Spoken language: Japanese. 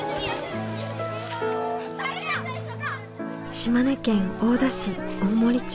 島根県大田市大森町。